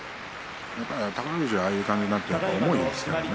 宝富士はああいう感じになったら重いですからね。